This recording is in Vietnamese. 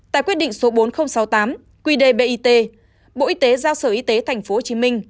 tại quyết định số bốn nghìn sáu mươi tám quy đề bit bộ y tế giao sở y tế tp hcm